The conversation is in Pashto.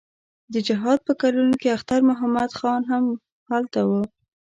د جهاد په کلونو کې اختر محمد خان هم هلته و.